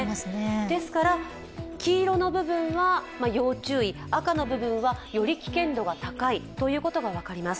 ですから、黄色の部分は要注意、赤の部分はより危険度が高いということが分かります。